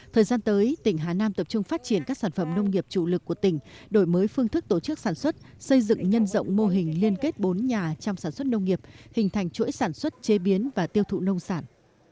thời gian tới tỉnh hà nam tập trung phát triển các sản phẩm nông nghiệp chủ lực của tỉnh đổi mới phương thức tổ chức sản xuất xây dựng nhân rộng mô hình liên kết bốn nhà trong sản xuất nông nghiệp hình thành chuỗi sản xuất chế biến và tiêu thụ nông sản